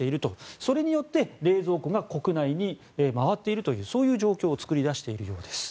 それによって冷蔵庫が国内に回っているというそういう状況を作り出しているようです。